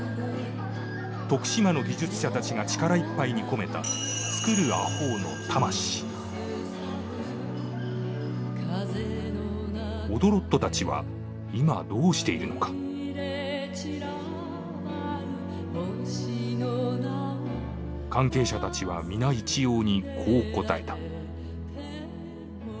徳島の技術者たちが力一杯に込めたオドロットたちは今どうしているのか関係者たちは皆一様にこう答えたえ！？